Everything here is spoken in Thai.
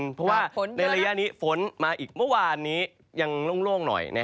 เพราะว่าในระยะนี้ฝนมาอีกเมื่อวานนี้ยังโล่งหน่อย